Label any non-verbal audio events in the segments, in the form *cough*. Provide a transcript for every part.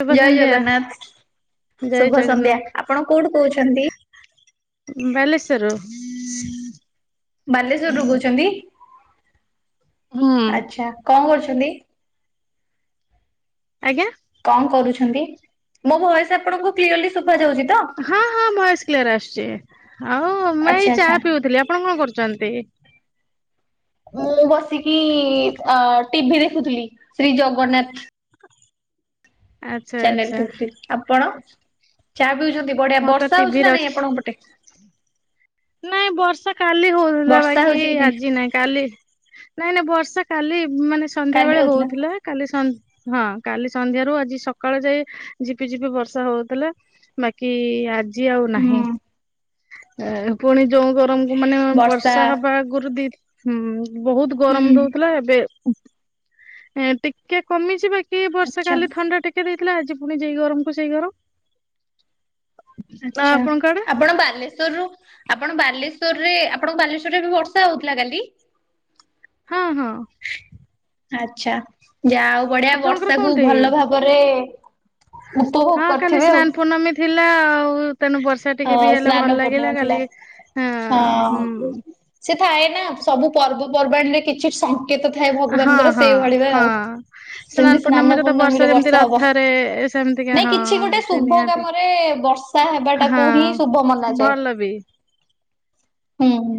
ଶୁଭ ଜୟ ସନ୍ଧ୍ୟା ଜଗନ୍ନାଥ୍ ଜୟ ଶୁଭ ସନ୍ଧ୍ୟା ଆପଣ କୋଉଠୁ କହୁଛନ୍ତି? ବେଲେଶ୍ଵର ରୁ ବାଲେଶ୍ଵର ରୁ କହୁଛନ୍ତି ହୁଁ ଆଛା କଣ କରୁଛନ୍ତି? ଆଜ୍ଞା। କଣ କରୁଛନ୍ତି? ମୋ ଭଏସ୍ ଆପଣଙ୍କୁ କ୍ଲିୟରଲି ଶୁଭା ଯାଉଛି ତ? ହଁ ହଁ ଭଏସ୍ କ୍ଲିୟର୍ ଆସୁଛି ଆଉ ମୁଁ ଏଇ ଆଚ୍ଛା ଚା ଆଚ୍ଛା। ପିଉଥିଲି ଆପଣ କଣ କରୁଛନ୍ତି? ମୁଁ ବସିକି ଅ ଟିଭିି ଦେଖୁଥିଲି ଶ୍ରୀ ଜଗନ୍ନାଥ୍। ଆଚ୍ଛା ଚାନେଲ୍ ଆଚ୍ଛା ଦେଖୁଥିଲି ଆପଣ ଚା ପିଉଛନ୍ତି ବଢ଼ିଆ ମୁଁ ତ ବର୍ଷା ଟିଭି ହଉଛି ନା ନାଇଁ ରଖି ଆପଣଙ୍କ ପଟେ? ନାଇଁ ବର୍ଷା କାଲି ହଉଥିଲା ବର୍ଷା ବାକି ହଉଛି କି ଆଜି ନାଇଁ କାଲି ନାଇଁ ନାଇଁ ବର୍ଷା କାଲି ମାନେ ସନ୍ଧ୍ୟା ବେଳେ ହଉଥିଲା। କାଲି ସ ହଁ କାଲି ସନ୍ଧ୍ୟାରୁ ଆଜି ସକାଳେ ଯାଏ ଝିପି ଝିପି ବର୍ଷା ହଉଥିଲା। ବାକି ଆଜି ଆଉ ହୁଁ ନାହିଁ। ଏ ପୁଣି ଯୋଉ ଗରମକୁ ମାନେ ବର୍ଷା ହବା ଆଗରୁ ଦି ହୁଁ ବହୁତ୍ ହୁଁ ଗରମ୍ ଦଉଥିଲା ଏବେ ଏ ଟିକେ କମିଚି ବାକି ବର୍ଷା ଆଚ୍ଛା। କାଲି ଥଣ୍ଡା ଟିକେ ଦେଇଥିଲା ଆଜି ପୁଣି ଯେଇ ଗରମକୁ ସେଇ ଗରମ୍। ଆଚ୍ଛା ଆପଣଙ୍କ ଆଡେ ଆପଣ ବାଲେ ସ୍ଵରୁ ଆପଣ ବାଲେଶ୍ୱରରେ ଆପଣଙ୍କ ବାଲେଶ୍ଵରରେ ବି ବର୍ଷା ହଉଥିଲା କାଲି। ହଁ ହଁ। ଆଚ୍ଛା ଯା ଆଉ ବଢ଼ିଆ ଆପଣଙ୍କର ବର୍ଷାକୁୁ କୋଉଠି ଭଲ ଭାବରେ ଉପଭୋଗ ହଁ କାଲି କରିଥିବେ ଆଉ। ସ୍ନାନ ପୂର୍ଣ୍ଣମୀ ଥିଲା ଆଉ ତେଣୁ ବର୍ଷା ଟିକେ ବି ହଁ ହେଲେ ସ୍ନାନ ଭଲ୍ ପୂର୍ଣ୍ଣିମା ଲାଗିଲା ଥିଲା କାଲି ଆ ହଁ ହୁଁ। ସେ ଥାଏ ନା ସବୁ ପର୍ବପର୍ବାଣୀ ରେ କିଛି ସ କେତ ଥାଏ ହଁ ଭଗବାନଙ୍କର ହଁ ସେଇଭଳିଆ ହଁ। ଆଉ ଯେମିତି ସ୍ନାନ ତ ପୂର୍ଣ୍ଣମୀରେ ଯେମିତି ବର୍ଷା ହବ। ରଥରେ ସେମିତିକା ନାଇଁ ହଁ କିଛି ଗୋଟେ ସେ ଶୁଭ ନିହାତି। କାମରେ ବର୍ଷା ହେବା ଟା ହଁ କୁ ହିଁ ଶୁଭ ମନାଯାଏ ଭଲ ବି ହୁଁ।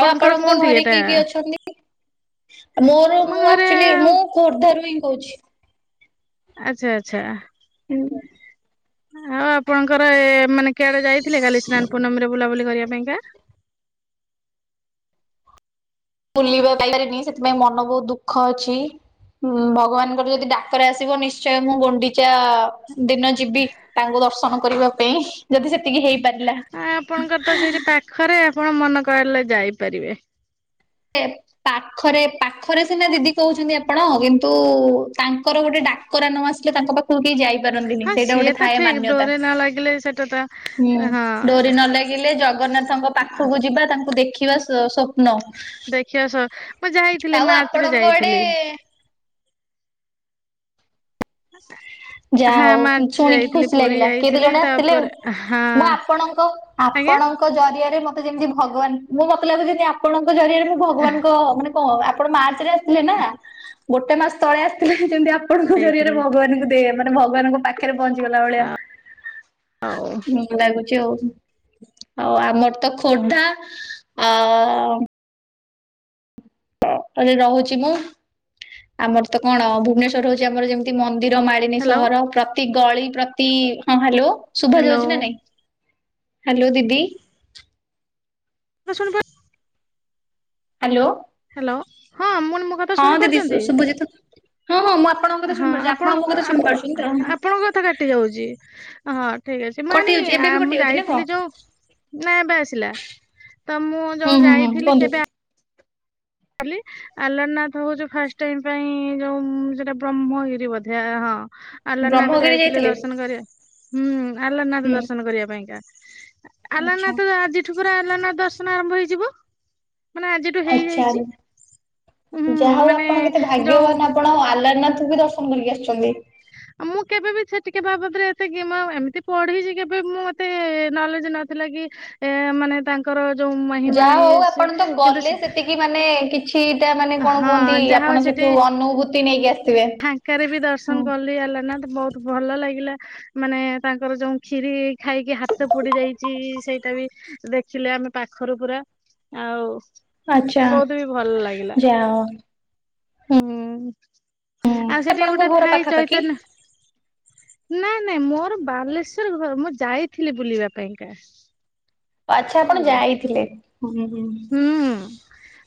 ଆଉ ଆପଣଙ୍କ କୋଉଠି ଘରେ ଏଟା? କିଏ କିଏ ଅଛନ୍ତି। ମୋର ଆମ ମୁଁ ଘରେ ଆକ୍ଚୁଆଲି ମୁଁ ଖୋର୍ଦ୍ଧା ରୁ ହିଁ କହୁଛି। ଆଚ୍ଛା ଆଚ୍ଛା। ହୁଁ। ଆଉ ଆପଣଙ୍କର ଏ ମାନେ କେଡେ ଯାଇଥିଲେ କାଲି ସ୍ନାନ ପୂର୍ଣ୍ଣମି ରେ ବୁଲାବୁଲି କରିବା ପାଇଁକା। ବୁଲିବା ପାଇପାରିନି ସେଥିପାଇଁ ମନ ବହୁତ ଦୁଃଖ ଅଛି। ହୁଁ ଭଗବାନଙ୍କର ଯଦି ଡାକରା ଆସିବ ନିଶ୍ଚୟ ମୁଁ ଗୁଣ୍ଡି। ଚା ଦିନ ଯିବି ତାଙ୍କୁ ଦର୍ଶନ କରିବା ପାଇଁ ଯଦି ସେତିକି ହେଇ। ପାରିଲା *inaudible* ଖରେ ଆପଣ ମନେ କଲେ ଯାଇପାରିବେ। ଏ ପାଖରେ ପାଖରେ ସିନା ଦିଦି କହୁଛନ୍ତି ଆପଣ କିନ୍ତୁ ତାଙ୍କର ଗୋଟେ ଡାକରା ନ ଆସେ। ହେଲେ ତାଙ୍କ ପାଖକୁ କେହି ଯାଇପାରନ୍ତିନି ହଁ ସେଇଟା ସିଏ ଗୋଟେ ତ ଥାଏ ଠିକ ମାନ୍ୟତା। ଡୋରି ନ ଲାଗିଲେ ସେଟା ତା। ହୁଁ ଡୋରି ନ ଲାଗିଲେ ଜଗନ୍ନାଥଙ୍କ ପାଖକୁ ଯିବା ତାଙ୍କୁ ଦେଖିବା ସ୍ୱପ୍ନ। ଦେଖିଆସ ମୁଁ ଯାଇଥିଲି ଆଉ ମାର୍ଚ୍ଚ ରେ ଆପଣଙ୍କ ଯାଇଥିଲି। ଆଡେ ଆ। ଯାହା ହଉ ଶୁଣିକି ଖୁସି ଲାଗିଲା କିଏ ତ ଯାଇଥିଲି ଜଣେ ଆସିଥିଲେ ତାପରେ ହଁ ମୁଁ ଆପଣଙ୍କ ଆଜ୍ଞା ଆପଣ। ଙ୍କ ଜରିଆରେ ମତେ ଯେମିତି ଭଗବାନ ମୁଁ ମତେ ଲାଗୁଛି ଯେମିତି ଆପଣଙ୍କ ଜରିଆରେ ମୁଁ ଭଗବାନଙ୍କ ମାନେ କ ଆ। ଆପଣ ମାର୍ଚ୍ଚ ରେ ଆସିଥିଲେ ନା ଗୋଟେ ମାସ ତଳେ ଆସିଥିଲେ ଯେମିତି ଆପଣଙ୍କ ଜରିଆରେ। ଯାଇଥିଲି ଭଗବାନଙ୍କୁ ଦେ ମାନେ ଭଗବାନଙ୍କ ପାଖରେ ପହଞ୍ଚିଗଲା ଭଳିଆ ଆଉ ହୁଁ। ଲାଗୁଛି ଆଉ ଆଉ ଆମର ତ ଖୋର୍ଦ୍ଧା ଆ। ଅ ରହୁଛି ମୁଁ ଆମର ତ କଣ ଭୁବନେଶ୍ୱର ରହୁଛି ଆମର ଯେମିତି। ପ୍ରତି ମନ୍ଦିର ମାଳିନି ହ୍ୟାଲୋ ସହର ପ୍ରତି ଗଳି ପ୍ରତି ହଁ ହାଲୋ ଶୁଭା ହ୍ୟାଲୋ ଯାଉଛି ନା ନାଇଁ। ହାଲୋ ଦିଦି। ଶୁଣି ପାରୁଛି। ହ୍ୟାଲୋ। ହ୍ୟାଲୋ ହଁ ମୁନ ମୋ କଥା ହଁ ଶୁଣି ଦିଦି ଶୁ ପାରୁଛନ୍ତି। ଶୁଭୁଛି ତ? ହଁ ହଁ ମୁଁ ଆପଣଙ୍କ କଥା ହଁ ଶୁଣିପାରୁଛି ଆପଣ ମୋ ଆପଣଙ୍କ କଥା ଆପଣ ଶୁଣିପାରୁଛନ୍ତି ତ? ଆପଣଙ୍କ କଥା କାଟି ଯାଉଛି। ହଁ ଠିକ ଅଛି ମୁଁ ଆଣି କଟିଯାଉଛି ଏବେ ବି ମୁଁ କଟିଯାଉଛି ନା କଣ? ଯାଇଥିଲି ଯୋଉ ନା ଏବେ ଆସିଲା। ତ ମୁଁ ହୁଁ ଯୋଉ ହୁଁ ହୁଁ ଯାଇଥିଲି କୁହନ୍ତୁ କେବେ ଆ ଖାଲି। ଆଲାରନାଥ ହଉଚି ଫାଷ୍ଟ ଟାଇମ୍ ପାଇଁ ଯୋଉ ସେଟା ବ୍ରହ୍ମଗିରି ବଧିଆ ହଁ। ଆଲାରନାଥ ଯାଇଥିଲେ ଦର୍ଶନ କରିବା। ହୁଁ ଆଲାରନାଥ ହୁଁ ଦର୍ଶନ କରିବା ପାଇଁକା ଆଚ୍ଛା ଆଲାରନାଥ ଆଜି ଏଠି ପୁରା ଆଲାରନାଥ ଦର୍ଶନ ଆରମ୍ଭ ହେଇଯିବ ମାନେ ଆଜିଠୁ ଆଚ୍ଛା। ହେଇଯାଇଛି। ହୁଁ ଯାହା ହଉ ମାନେ ଆପଣ କେତେ ଯୋଉ ଭାଗ୍ୟବାନ ଆପଣ ଆଲାରନାଥକୁ ବି ଦର୍ଶନ କରିକି ଆସିଛନ୍ତି। ମୁଁ କେବେ ବି ସେଠିକେ ବାବଦରେ ଏତେ କି ଏମିତି ପଢିଛି କେବେ ମୁଁ ମତେ ନଲେଜ ନଥିଲା କି। ଏ ମାନେ ତାଙ୍କର ଯୋଉ ମହିମା ଯାହା ହଉ ଇଏ ସେ ଆପଣ ତ କିନ୍ତୁ ଗଲେ ସେ ସେତିକି ମାନେ କିଛିଟା ମାନେ କଣ ହଁ କୁହନ୍ତି ଯାହା ହଉ ଆପଣ ସେଠି ସେଠୁ ଅନୁଭୂତି ନେଇକି ଆସିି ଫାଙ୍କାରେ ବି ଦର୍ଶନ କଲି ହେଲା ନା ବହୁତ ଭଲ ଲାଗିଲା। ମାନେ ତାଙ୍କର ଯୋଉ ଖିରି ଖାଇକି ହାତ ପୋଡି ଯାଇଛି ସେଇଟା ବି ଦେ ଥିଲେ ଆମେ ପାଖରୁ ପୁରା ଆଉ ଆଚ୍ଛା ବହୁତ ବି ଭଲ ଲାଗିଲା। *unintelligible* ହୁଁ ଆଉ ସେଠିକି ଆପଣଙ୍କ ଗୋଟେ ଘର ଥାଏ ପାଖାପାଖି? ଚୈତନ୍ୟ। ନାଇଁ ନାଇଁ ମୋର ବାଲେଶ୍ଵର ଘର ମୁଁ ଯାଇଥିଲି ବୁଲିବା ପାଇଁକା। ଆଚ୍ଛା ଆପଣ ବୁଝିଲେ ଯାଇଥିଲେ ହୁଁ ହୁଁ। ହୁଁ।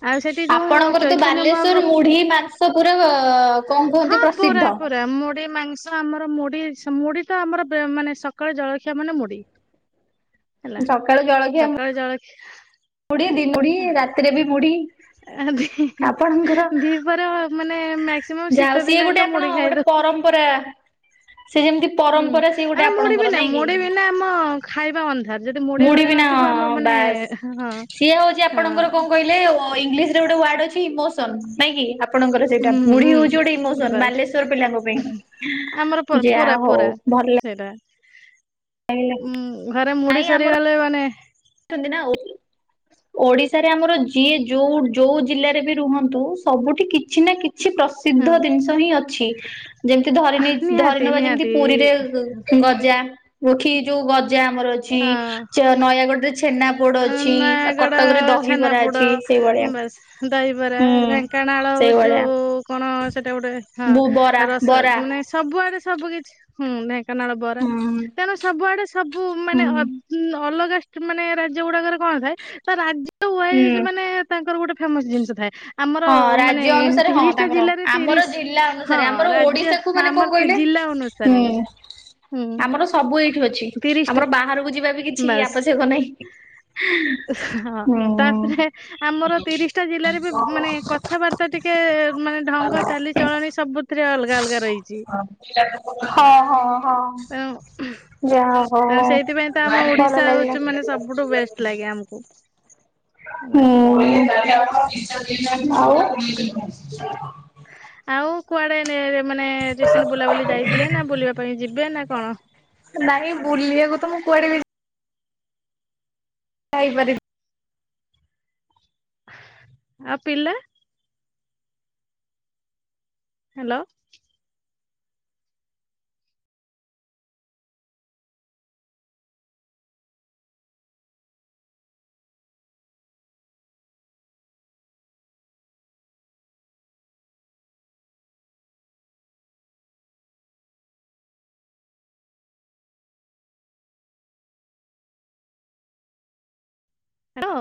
ଆଉ ସେଠି ଯୋଉ ଆପଣଙ୍କର ତ ଚୈତନ୍ୟ ବାଲେଶ୍ୱଵର ମହାପ୍ରଭୁ ମୁଢି ମାଂ ସ ପୁରା କଣ କୁହନ୍ତି ପ୍ରସିଦ୍ଧ। *unintelligible* ମୁଢ଼ି ମାଂସ। ଆମର ମୁଢି ମୁଢି ତ ଆମର ମାନେ ସକାଳେ ଜଳଖିଆ ମାନେ ମୁଢି। ହେଲା ସକାଳେ ଜଳଖିଆ ବୁଢୀ ଦିନ ମୁଢ଼ି ରାତିରେ ବି ବୁଢୀ। ଆ ଦି ଦିପହର ମାନେ ମାକ୍ସିମମ୍ ଯାହା ହଉ ଶୀତ ସିଏ ଦିନେ ଗୋଟେ ଏକା ଆପଣ ମୁଢ଼ି ଗୋଟେ ଖାଇଦବୁ। ପରମ୍ପରା ସେ ଯେମିତି ହୁଁ ପରମ୍ପରା ସିଏ ଗୋଟେ ଆମେ ମୁଢ଼ି ଆପଣଙ୍କର ବିନା ନାଇଁ କି ମୁଢ଼ି ବିନା ଆମ ଖାଇବା ଅ ଧାର ଯଦି ମୁଢି ଘରେ ନଥିବ ଆମ ମାନେ ବାସ୍। ହଁ ହଁ ସିଏ ହଉଛି ଆପଣଙ୍କର କଣ କହିଲେ ଇଂଲିଶ ଗୋଟେ ୱାର୍ଡ ଅଛି ଇମୋସନ ନାଇଁ କି ଆପଣ। ସେଇଟା ହୁଁ ମୁଢି ହୁଁ ହଉଛି ଗୋଟେ ଇମୋସନ ବାସ୍ ବାଲେଶ୍ଵର ପିଲାଙ୍କ ପାଇଁ ଆମର ପ ଯା ପୁରା ହଉ। ପୁରା ଭଲ ସେଇଟା ଲାଗିଲା ଉଁ ଘରେ ନାଇଁ ମୁଢି ଆମର ସରିଗଲେ ମାନେ *inaudible* ଓଡିଶାରେ ଆମର ଯିଏ ଯୋଉ ଯୋଉ ଜିଲ୍ଲାରେ ବି ରୁହନ୍ତୁ ସବୁଠି କିଛି ନା କିଛି ପ୍ର ହଁ ସିଦ୍ଧ ଜିନିଷ ହିଁ ଅଛି। ଯେମିତି ଧରିନି ଧରି ନିହାତି ନବା ଯେମିତି ନିହାତି ପୁରୀରେ ଗଜା ପୋଖି ଯୋଉ ଗଜା ଆମର ଅଛି ଚ ନୟାଗଡରେ ଛେନା ପୋଡ ଆଁ ଅଛି ଆଉ ନୟାଗଡ କଟକରେ ଦହିବରା ଛେନାପୁଡ ଅଛି ସେଇଭଳିଆ। ବାସ ଦହିବରା ହୁଁ ରାଙ୍କ କେଣାଳ ଯୁ ସେଇଭଳିଆ କଣ ସେଟା ଗୋଟେ ହଁ ବୁ ବରା ରସ ବରା ମାନେ ସବୁଆଡ଼େ ସବୁ କିିଛି। ହୁଁ ଢେଙ୍କାନାଳ ବରା ହୁଁ। ତେଣୁ ସବୁଆଡେ ସବୁ ମାନେ ଅ ହୁଁ। ଅ ଅଲଗା ମାନେ ରାଜ୍ୟ ଗୁଡାକରେ କଣ ଥାଏ ତା ରାଜ୍ୟ ୱାଇସ ହୁଁ। ମାନେ ତାଙ୍କର ଗୋଟେ ଫେମସ ଜିନିଷ ଥାଏ। ଆମର ହଁ ମାନେ ରାଜ୍ୟ ଅନୁସାରେ ହଁ ତିରିଶଟା ତାଙ୍କର ଜିଲ୍ଲାରେ ଆମର ତିରିଶ ଜିଲ୍ଲା ହଁ ଅନୁସାରେ ଆମର ରାଜ୍ୟ ଓଡିଶାକୁ ମାନେ କଣ ଆମର କହିଲେ ଜିଲ୍ଲା ଅନୁ ସାରେ। ହୁଁ ଆମର ସବୁ ଏଇଠି ଅଛି ଟା ଆମର ବାହାରକୁ ଯିବା ବି କିଛି ବାସ୍ ଆବଶ୍ୟକ ନାହିଁ। ହଁ ହୁଁ। ତାପରେ ଆମର ତିରିଶ ଟା ଜିଲ୍ଲାରେ ବି ମାନେ କଥାବାର୍ତ୍ତା ଟିକେ ମାନେ ଢଙ୍ଗ ଚାଲିଚଳଣି ସବୁ ଥିରେ ଅଲଗା ଅଲଗା ରହିଛି ହଁ ହେଲା ହଁ ହଁ ଯାହା ହଉ ସେଇଥିପାଇଁ ତ ଆମ ଭଲ ଓଡିଶା ହଉଛି ମାନେ ଲାଗିଲା। ସବୁଠୁ ବେଷ୍ଟ ଲାଗେ ଆମକୁ। ହେଲା। ହୁଁ ଉଁ ଆଉ ଆଉ କୁଆଡେ ମାନେ *unintelligible* ବୁଲାବୁଲି ଯାଇଥିଲେ ନା ବୁଲିବା ପାଇଁ ଯିବେ ନା କଣ? ନାଇଁ ବୁଲିବାକୁ ତ ମୁଁ କୁଆଡେ ବି ଯାଇପାରି ଆଉ ପିଲା? ହ୍ୟାଲୋ। ହ୍ୟାଲୋ